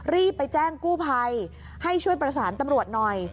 รีบไปแจ้งกู้ภัยให้ช่วยประสานตำรวจหน่อย